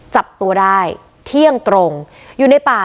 จับตัวได้เที่ยงตรงอยู่ในป่า